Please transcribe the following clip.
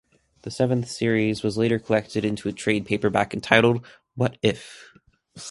The seventh series was later collected into a trade paperback entitled What If?